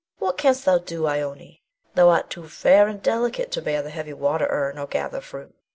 What canst thou do, Ione? Thou art too fair and delicate to bear the heavy water urn or gather fruit.